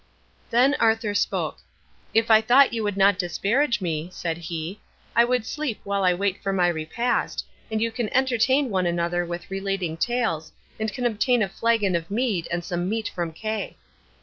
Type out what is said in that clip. Then Arthur spoke. "If I thought you would not disparage me," said he, "I would sleep while I wait for my repast; and you can entertain one another with relating tales, and can obtain a flagon of mead and some meat from Kay."